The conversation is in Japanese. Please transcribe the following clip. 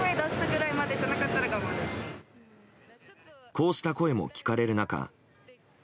こうした声も聞かれる中。